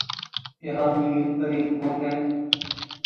جہانگیر ترین کون ہیں؟